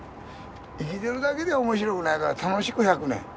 生きてるだけでは面白くないから楽しく１００年。